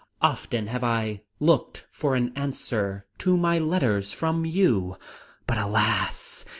Often have I looked for an answer to my letters from you, but, alas!